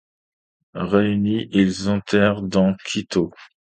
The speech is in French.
Réunis, ils entrèrent dans Quito.